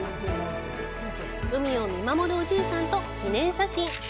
海を見守るおじいさんと記念写真！